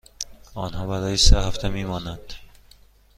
آنها برای سه هفته می مانند.